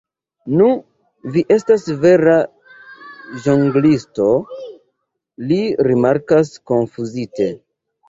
Nu, vi estas vera ĵonglisto, li rimarkas konfuzite.